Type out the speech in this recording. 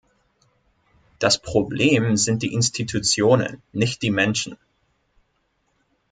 Das Problem sind die Institutionen, nicht die Menschen.